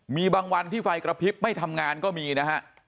มีบางวันที่ไฟกระพริบไม่ทำงานก็มีนะฮะ